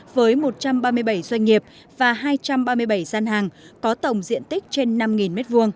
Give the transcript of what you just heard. với một trăm ba mươi bảy doanh nghiệp và hai trăm ba mươi bảy gian hàng có tổng diện tích trên năm m hai